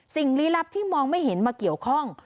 ลี้ลับที่มองไม่เห็นมาเกี่ยวข้อง